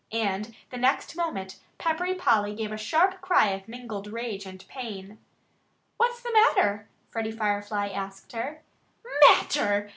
And the next moment Peppery Polly gave a sharp cry of mingled rage and pain. "What's the matter?" Freddie Firefly asked her. "Matter!"